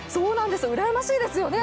うらやましいですよね。